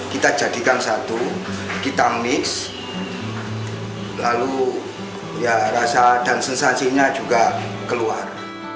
kita jadikan satu kita mix lalu ya rasa dan sensasinya juga keluar